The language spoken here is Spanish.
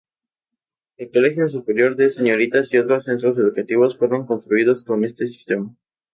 El colegio Superior de Señoritas y otros centros educativos fueron construidos con este sistema.